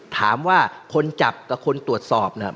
ถามว่าคนจับกับคนตรวจสอบเนี่ย